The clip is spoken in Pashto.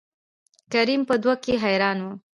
کريم په دو کې حيران وو.